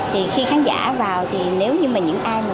thì khi khán giả vào thì nếu như mà những ai